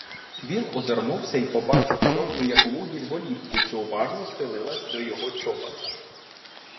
Він озирнувся й побачив чорну як вугіль голівку, що уважно схилилась до його чобота.